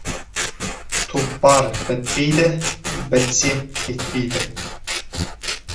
Тұлпар бітпейді, бітсе кетпейді.